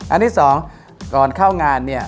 อันที่สองก่อนเข้างานเนี่ย